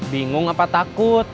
bingung apa takut